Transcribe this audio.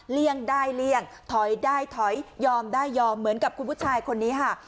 เลี่ยงได้เลี่ยงถอยได้ถอยยอมได้ยอมเหมือนกับคุณผู้ชายคนนี้ค่ะ